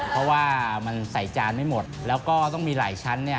เพราะว่ามันใส่จานไม่หมดแล้วก็ต้องมีหลายชั้น